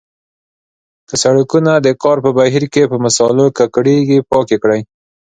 که سړکونه د کار په بهیر کې په مسالو ککړیږي پاک یې کړئ.